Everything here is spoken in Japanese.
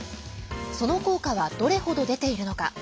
その効果はどれほど出ているのか。